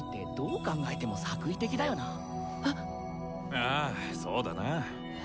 ああそうだな。え？